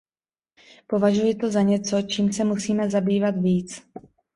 Považuji to za něco, čím se musíme zabývat víc.